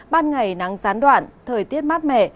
ban ngày nắng gián đoạn thời tiết mát mẻ